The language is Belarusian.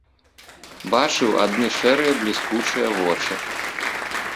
Бачыў адны шэрыя бліскучыя вочы.